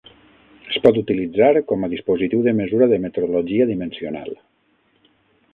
Es pot utilitzar com a dispositiu de mesura de metrologia dimensional.